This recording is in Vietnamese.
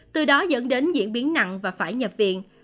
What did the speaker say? từ đó dẫn đến diễn biến nặng và phải nhập viện